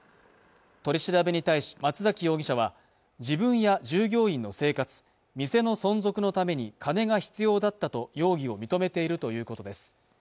取り調べに対し松崎容疑者は自分や従業員の生活店の存続のために金が必要だったと容疑を認めているということです